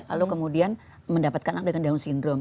lalu kemudian mendapatkan anak dengan down syndrome